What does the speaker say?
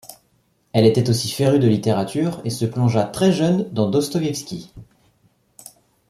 Elle était aussi férue de littérature et se plongea très jeune dans Dostoïevski.